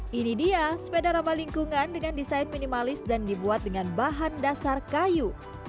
ini dia sepeda ramah lingkungan dengan desain minimalis dan dibuat dengan bahan dasar kayu